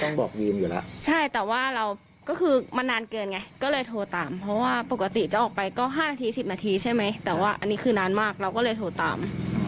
บอกวีมอยู่แล้วใช่แต่ว่าเราก็คือมันนานเกินไงก็เลยโทรตามเพราะว่าปกติจะออกไปก็๕นาที๑๐นาทีใช่ไหมแต่ว่าอันนี้คือนานมากเราก็เลยโทรตาม